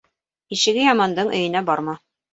Ишеге ямандың өйөнә барма